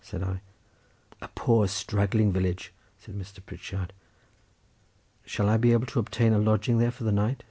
said I. "A poor straggling village," said Mr. Pritchard. "Shall I be able to obtain a lodging there for the night?"